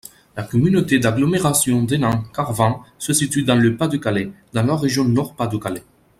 La communauté d'agglomération d'Hénin-Carvin se situe dans le Pas-de-Calais, dans la région Nord-Pas-de-Calais.